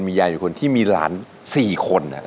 มียายอยู่คนที่มีหลานสี่คนอะ